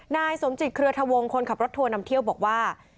นายสมจิตเครือทะวงคนขับรถทัวร์นำเที่ยวบอกว่า